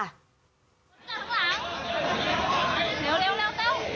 เร็วเร็วเร็วเต้า